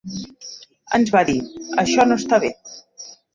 Ens va dir: Això no està bé.